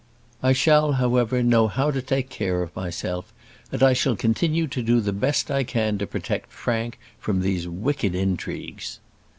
I shall, however, know how to take care of myself; and I shall continue to do the best I can to protect Frank from these wicked intrigues."